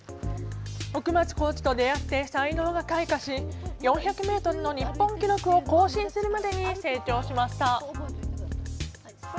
奥松コーチと出会って才能が開花し４００ｍの日本記録を更新するまでに成長しました。